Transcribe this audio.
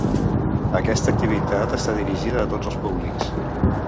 Aquesta activitat està dirigida a tots els públics.